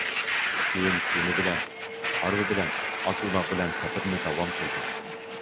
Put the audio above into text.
كېيىن كېمە بىلەن، ھارۋا بىلەن، ئات- ئۇلاغ بىلەن سەپىرىنى داۋام قىلدى.